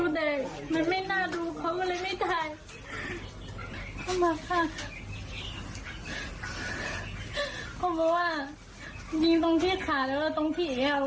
เขาบอกว่ายิงตรงที่ขาและตรงที่เอว